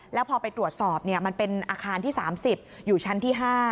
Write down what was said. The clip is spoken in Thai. แล้วพอไปตรวจสอบมันเป็นอาคารที่๓๐อยู่ชั้นที่๕